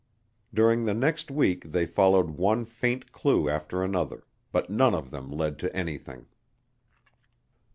During the next week they followed one faint clue after another, but none of them led to anything.